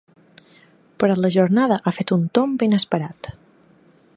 Però la jornada ha fet un tomb inesperat.